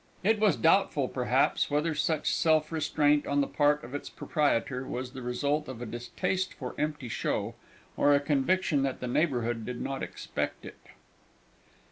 It was doubtful, perhaps, whether such self restraint on the part of its proprietor was the result of a distaste for empty show, or a conviction that the neighbourhood did not expect it.